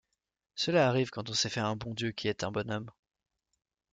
Cela arrive quand on s’est fait un bon Dieu qui est un bonhomme.